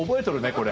これ。